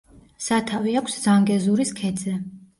სათავე აქვს ზანგეზურის ქედზე.